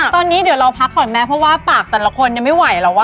ตอนนี้เดี๋ยวเราพักก่อนไหมเพราะว่าปากแต่ละคนยังไม่ไหวแล้ว